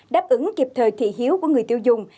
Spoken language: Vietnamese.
đáp ứng kịp thời thị hiếu của người tiêu dùng